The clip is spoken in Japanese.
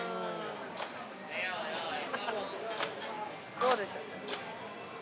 どうでしょう？